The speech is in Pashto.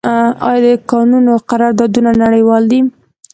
آیا د کانونو قراردادونه نړیوال دي؟